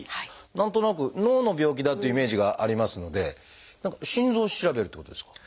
何となく脳の病気だというイメージがありますので心臓を調べるっていうことですか？